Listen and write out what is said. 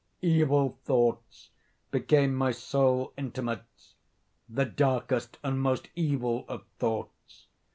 Evil thoughts became my sole intimates—the darkest and most evil of thoughts.